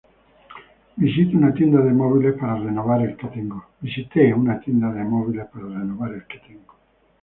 Visite una tienda de móviles para renovar el que tengo